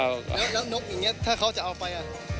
แล้วนกอย่างนี้ถ้าเขาจะเอาไป